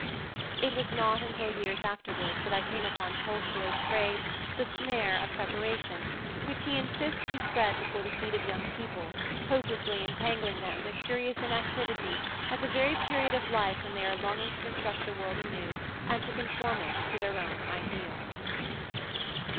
It was not until years afterward that I came upon Tolstoy's phrase "the snare of preparation," which he insists we spread before the feet of young people, hopelessly entangling them in a curious inactivity at the very period of life when they are longing to construct the world anew and to conform it to their own ideals.